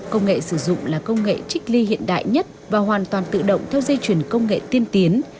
công nghệ sử dụng là công nghệ trích ly hiện đại nhất và hoàn toàn tự động theo dây chuyển công nghệ tiên tiến